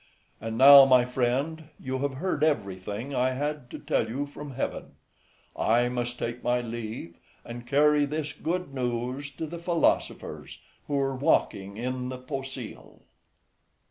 And now, my friend, you have heard everything I had to tell you from heaven; I must take my leave, and carry this good news to the philosophers, who are walking in the Poecile.